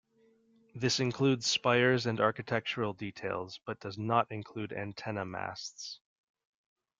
This includes spires and architectural details but does not include antenna masts.